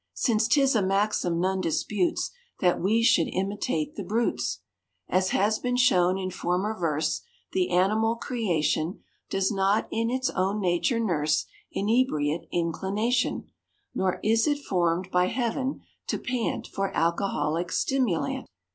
Since 'tis a maxim none disputes, That we should imitate the brutes.= As has been shown in former verse, `The animal creation Does not in its own nature nurse `Inebriate inclination; Nor is it formed by Heaven to pant For alcoholic stimulant.